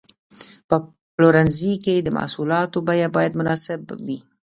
په پلورنځي کې د محصولاتو بیه باید مناسب وي.